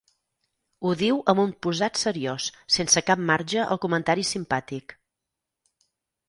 Ho diu amb un posat seriós, sense cap marge al comentari simpàtic.